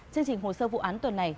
chương trình hồ sơ vụ án tuần này